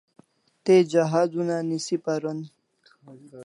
Te jahaz una nisi paron